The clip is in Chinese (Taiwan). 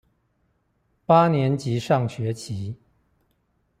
八年級上學期